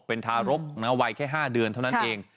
เป็นทารกวัยแค่๕เดือนเท่านั้นเอง